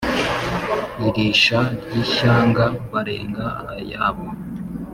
Iri sha ry ' ishyanga barenga ayabo,